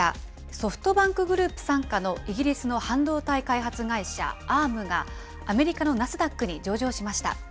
ソフトバンクグループ傘下のイギリスの半導体開発会社Ａｒｍが、アメリカのナスダックに上場しました。